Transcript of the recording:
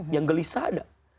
yang gelisah ada